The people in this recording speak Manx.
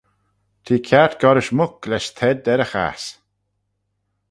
Te kiart goll-rish muck lesh tedd er y chass.